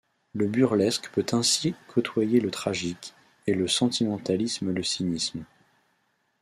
Le burlesque peut ainsi côtoyer le tragique, et le sentimentalisme le cynisme.